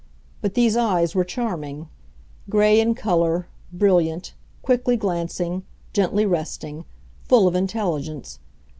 But these eyes were charming: gray in color, brilliant, quickly glancing, gently resting, full of intelligence.